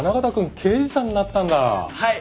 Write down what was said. はい。